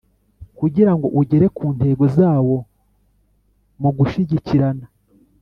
kugira ngo ugere ku ntego zawo mu gushigikirana